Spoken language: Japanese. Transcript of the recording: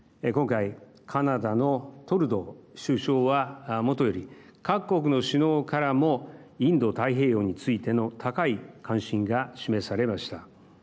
今回、カナダのトルドー首相はもとより各国の首脳からもインド太平洋についての高い関心が示されました。